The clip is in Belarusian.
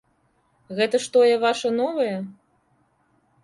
Гэта ж тое ваша новае?